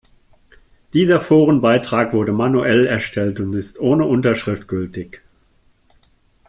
Dieser Forenbeitrag wurde manuell erstellt und ist ohne Unterschrift gültig.